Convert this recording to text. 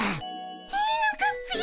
いいのかっピ？